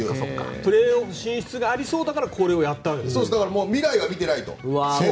プレーオフ進出がありそうだからもう未来は見てないと。